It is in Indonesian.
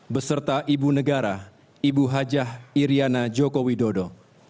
beserta ibu negara ibu hajah iryana joko widodo